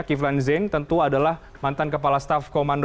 kivlan zeng tentu adalah mantan kepala staf komando